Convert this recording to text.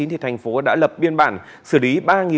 thành phố đã lập biên bản xử lý ba bốn trăm bốn mươi bảy